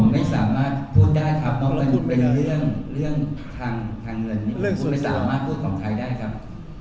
ไม่สามารถพูดของใครได้ครับ